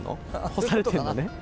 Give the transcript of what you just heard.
干されてるのね。